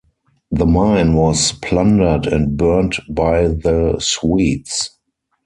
The mine was plundered and burned by the Swedes.